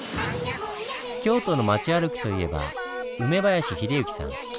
京都の町歩きといえば梅林秀行さん。